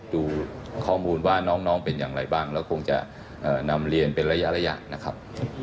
ดูข้อมูลว่าน้องเป็นอย่างไรบ้างแล้วคงจะนำเรียนเป็นระยะนะครับ